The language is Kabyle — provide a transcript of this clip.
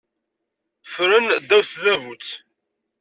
Ffrent ddaw tdabut.